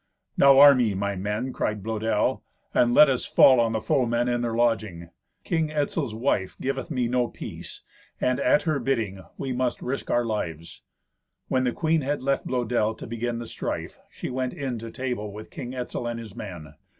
"Now arm ye, my men," cried Blœdel, "and let us fall on the foemen in their lodging. King Etzel's wife giveth me no peace, and at her bidding we must risk our lives." When the queen had left Blœdel to begin the strife, she went in to table with King Etzel and his men.